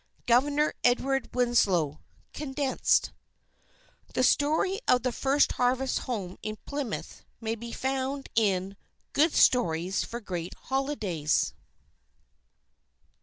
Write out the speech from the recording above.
Governor Edward Winslow (Condensed) _The story of "The First Harvest Home in Plymouth" may be found in "Good Stories for Great Holidays."